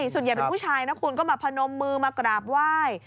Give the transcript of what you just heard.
ส่วนใหญ่เป็นผู้ชายนะคุณก็มาพนมมือมากราบไหว้